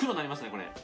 これ。